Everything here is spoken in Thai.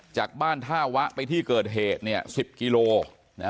จากบ้านท่าวะไปที่เกิดเหตุ๑๐กิโลกรัม